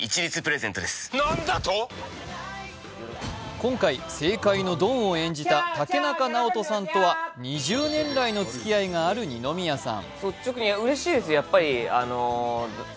今回、政界のドンを演じた竹中直人さんとは２０年来のつきあいがある二宮さん。